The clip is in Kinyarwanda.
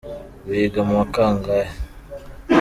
Wiga muwa kangahe?